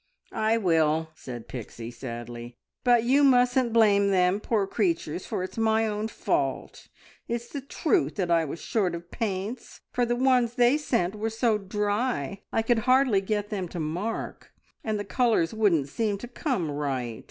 "I will!" said Pixie sadly; "but you mustn't blame them, poor creatures, for it's my own fault. It's the truth that I was short of paints, for the ones they sent were so dry I could hardly get them to mark, and the colours wouldn't seem to come right.